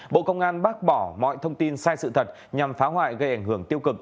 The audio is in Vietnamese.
bộ công an bác bỏ mọi thông tin sai sự thật nhằm phá hoại gây ảnh hưởng tiêu cực